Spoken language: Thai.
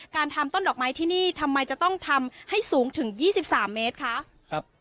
การทำต้นดอกไม้ที่นี่ทำไมจะต้องทำให้สูงถึงยี่สิบสามเมตรคะครับ